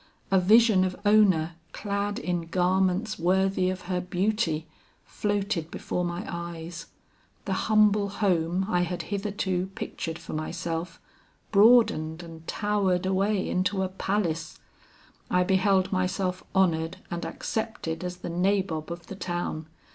A vision of Ona clad in garments worthy of her beauty floated before my eyes; the humble home I had hitherto pictured for myself, broadened and towered away into a palace; I beheld myself honored and accepted as the nabob of the town.